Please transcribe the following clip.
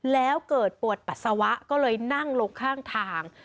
แล้วเกิดปวดปัสสาวะก็เลยนั่งลงข้างทาง